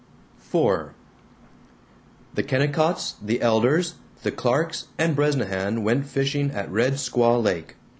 IV The Kennicotts, the Elders, the Clarks, and Bresnahan went fishing at Red Squaw Lake.